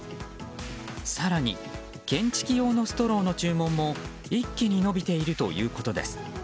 更に検知器用のストローの注文も一気に伸びているということです。